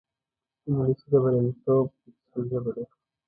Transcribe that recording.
انګلیسي د بریالیتوب د کیسو ژبه ده